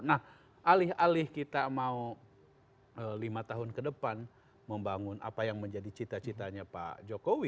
nah alih alih kita mau lima tahun ke depan membangun apa yang menjadi cita citanya pak jokowi